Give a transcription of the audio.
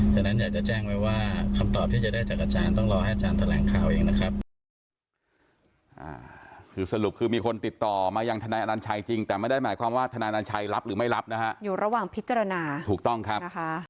ฉะนั้นอยากจะแจ้งไว้ว่าคำตอบที่จะได้จากอาจารย์ต้องรอให้อาจารย์แถลงข่าวเองนะครับ